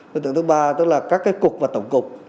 đối tượng thứ ba tức là các cái cục và tổng cục